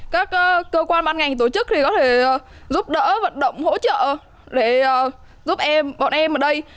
các cơ quan ban ngành tổ chức thì có thể giúp đỡ vận động hỗ trợ để giúp em bọn em ở đây